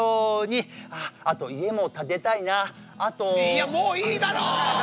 いやもういいだろ！